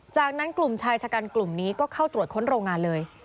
จากนั้นกลุ่มชายชะกันกลุ่มนี้ก็เข้าตรวจค้นโรงงานเลย